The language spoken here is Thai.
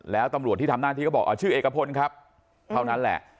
แล้วตำรวจที่ทำหน้าที่ก็บอกชื่อเอกพลครับเท่านั้นแหละ